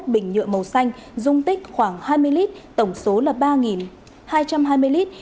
một bình nhựa màu xanh dung tích khoảng hai mươi lít tổng số là ba hai trăm hai mươi lít